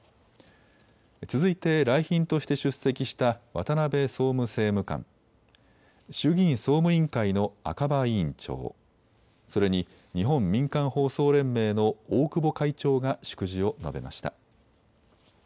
続いて来賓として出席した渡辺総務政務官、衆議院総務委員会の赤羽委員長、それに日本民間放送連盟の大久保会長が祝辞を述べました。